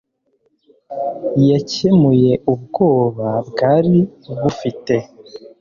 yakemuye ubwoba bwari bufite